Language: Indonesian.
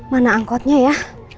mana angkotnya ya